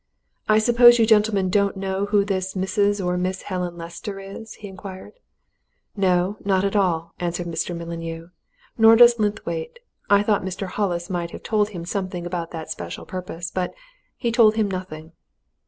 "I suppose you gentlemen don't know who this Mrs. or Miss Helen Lester is?" he inquired. "No not at all," answered Mr. Mullineau. "Nor does Linthwaite. I thought Mr. Hollis might have told him something about that special purpose. But he told him nothing."